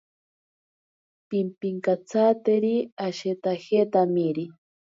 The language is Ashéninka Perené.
Pimpinkatsateri ashitajetamiri.